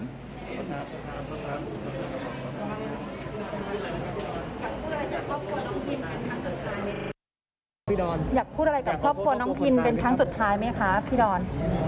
อยากพูดอยากพูดอะไรกับครอบครัวน้องพินเป็นครั้งสุดท้ายไหมคะพี่ดอน